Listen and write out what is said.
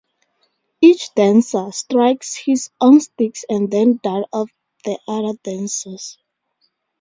Each dancer strikes his own sticks and then that of the other dancers.